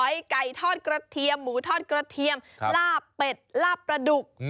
หมูทอดกระเทียมล่าเป็ดล่าประดุก